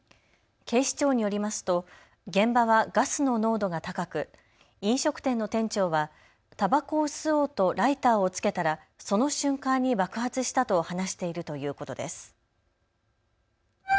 警視庁によりますと現場はガスの濃度が高く飲食店の店長はたばこを吸おうとライターをつけたらその瞬間に爆発したと話しているということです。